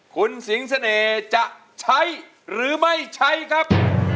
คุณสิงเสน่ห์จะใช้หรือไม่ใช้ครับ